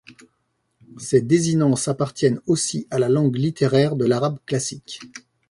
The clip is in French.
Ces désinences appartiennent aussi à la langue littéraire de l'arabe classique.